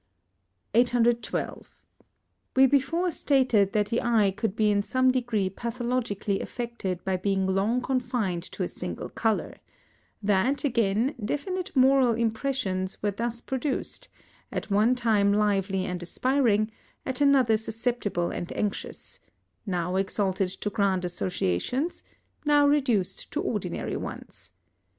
812. We before stated that the eye could be in some degree pathologically affected by being long confined to a single colour; that, again, definite moral impressions were thus produced, at one time lively and aspiring, at another susceptible and anxious now exalted to grand associations, now reduced to ordinary ones.